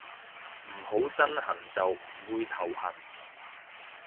唔好身痕就唔會頭痕